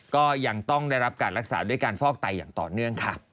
ก็ยังต้องได้รับการรักษาด้วยการฟอกไตอย่างต่อเนื่องค่ะ